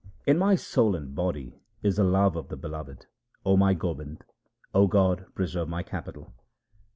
In my soul and body is the love of the Beloved, O my Gobind, O God preserve my capital.